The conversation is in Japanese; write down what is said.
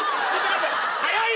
早い！